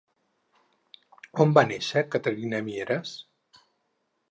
On va néixer Caterina Mieras?